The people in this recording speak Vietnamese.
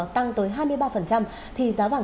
tăng tới hai mươi ba thì giá vàng